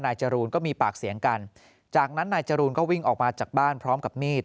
จรูนก็มีปากเสียงกันจากนั้นนายจรูนก็วิ่งออกมาจากบ้านพร้อมกับมีด